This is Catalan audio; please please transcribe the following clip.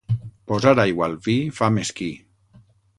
Posar aigua al vi fa mesquí.